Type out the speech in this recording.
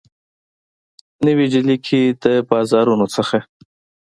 نوي ډیلي کي د بازارونو څخه